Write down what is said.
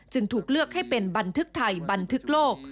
ถูกเลือกให้เป็นบันทึกไทยบันทึกโลก